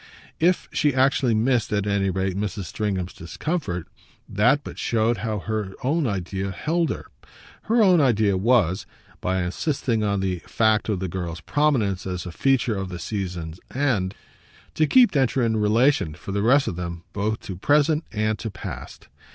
If she actually missed, at any rate, Mrs. Stringham's discomfort, that but showed how her own idea held her. Her own idea was, by insisting on the fact of the girl's prominence as a feature of the season's end, to keep Densher in relation, for the rest of them, both to present and to past.